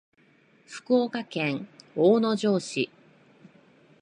福岡県大野城市